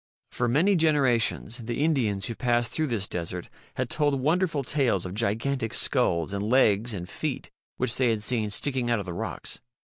For many generations the Indians who passed through this desert had told wonderful tales of gigantic skulls and legs and feet which they had seen sticking out of the rocks.